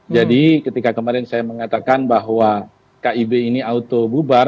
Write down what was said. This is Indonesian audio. jadi ketika kemarin saya mengatakan bahwa kib ini auto bubar